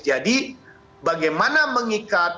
jadi bagaimana mengikat